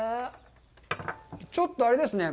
ちょっとあれですね。